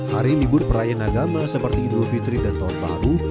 hari libur perayaan agama seperti idul fitri dan tahun baru